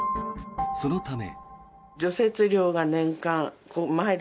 そのため。